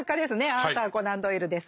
アーサー・コナン・ドイルです。